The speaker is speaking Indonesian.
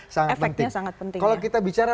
sangat penting kalau kita bicara